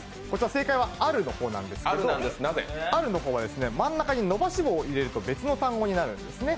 正解はあるの方なんですけどあるの方は、真ん中に伸ばし棒を入れるとある言葉になるんですね。